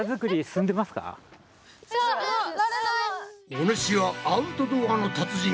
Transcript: お主はアウトドアの達人